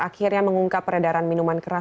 akhirnya mengungkap peredaran minuman keras